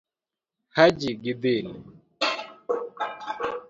Haji gi dhil